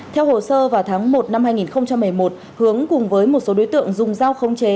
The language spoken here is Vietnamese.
theo hồ sơ vào tháng một năm hai nghìn một mươi một hướng cùng với một số đối tượng dùng dao không chế